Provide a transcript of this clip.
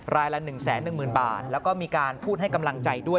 รายละ๑๑๐๐๐บาทแล้วก็มีการพูดให้กำลังใจด้วย